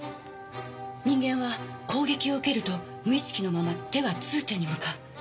人間は攻撃を受けると無意識のまま手は痛点に向かう。